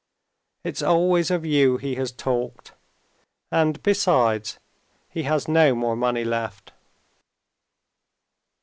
"It's always of you he has talked, and, besides, he has no more money left."